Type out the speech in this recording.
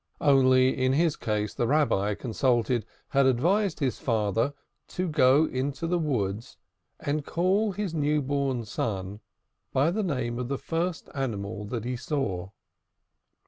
Only, in his case the Rabbi consulted had advised his father to go into the woods and call his new born son by the name of the first animal that he saw.